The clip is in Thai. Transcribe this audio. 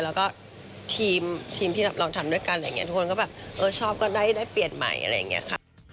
แล้วก็ทีมที่เราทำด้วยกันอะไรอย่างนี้ทุกคนก็แบบเออชอบก็ได้เปลี่ยนใหม่อะไรอย่างนี้ค่ะ